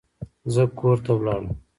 زه کور ته لاړم.